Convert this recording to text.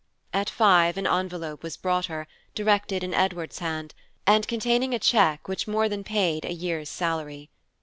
At five an envelope was brought her, directed in Edward's hand, and containing a check which more than paid a year's salary.